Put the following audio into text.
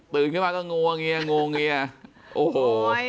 ขึ้นมาก็งวงเงียงวงเงียโอ้โห